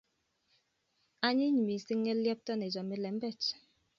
Anyiny mising ng'eliepta ne chome lembech